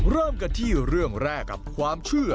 เริ่มกันที่เรื่องแรกกับความเชื่อ